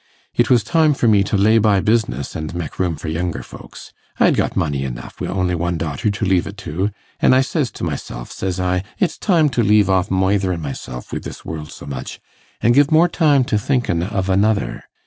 It was time for me to lay by business an mek room for younger folks. I'd got money enough, wi' only one daughter to leave it to, an' I says to myself, says I, it's time to leave off moitherin' myself wi' this world so much, an' give more time to thinkin' of another.